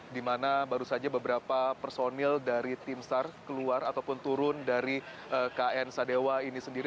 di mana baru saja beberapa personil dari tim sar keluar ataupun turun dari kn sadewa ini sendiri